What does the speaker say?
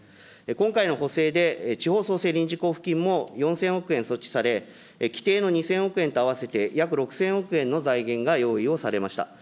今回の補正で、地方創生臨時交付金も４０００億円措置され、既定の２０００億円と合わせて、約６０００億円の財源が用意をされました。